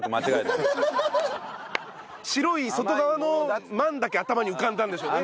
白い外側のまんだけ頭に浮かんだんでしょうね。